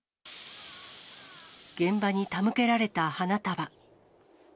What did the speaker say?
現場に手向けられた花束。